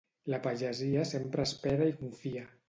La pagesia sempre espera i confia.